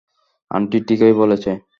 Aunty ঠিকই বলেছে।